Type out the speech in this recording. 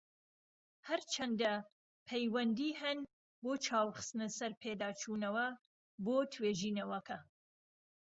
هەرچەندە، پەیوەندی هەن بۆ چاو خستنە سەر پێداچونەوە بۆ توێژینەوەکە.